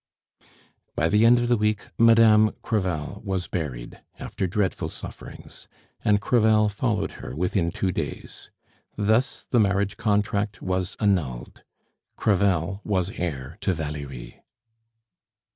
By the end of the week Madame Crevel was buried, after dreadful sufferings; and Crevel followed her within two days. Thus the marriage contract was annulled. Crevel was heir to Valerie.